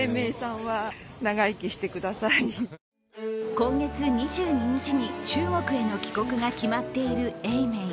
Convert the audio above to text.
今月２２日に中国への帰国が決まっている永明。